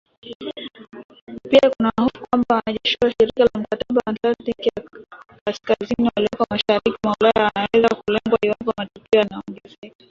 Pia kuna hofu kwamba wanajeshi wa Shirika la Mkataba wa Atlantiki ya Kaskazini walioko mashariki mwa Ulaya wanaweza kulengwa iwapo matukio yanaongezeka